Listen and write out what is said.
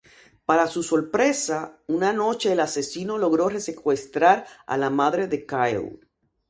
Para su sorpresa, una noche el asesino logra secuestrar a la madre de Kyle.